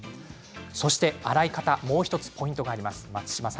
洗い方もう１つポイントがあります。